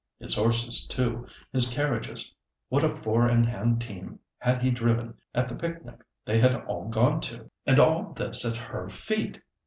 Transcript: His horses, too, his carriages—what a four in hand team had he driven at the picnic they had all gone to! And all this at her feet!